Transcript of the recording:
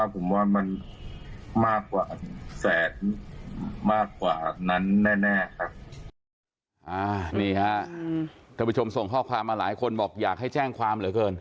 นี่ฮะท่านผู้ชมส่งข้อความมาหลายคนบอกอยากให้แจ้งความเหลือเกิน